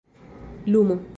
lumo